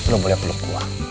lo boleh peluk gue